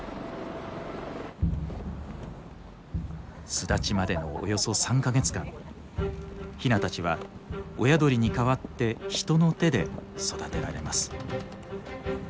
巣立ちまでのおよそ３か月間ヒナたちは親鳥に代わって人の手で育てられます。